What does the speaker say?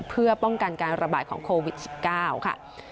เพื่อป้องกันการระบาดของโควิด๑๙ค่ะ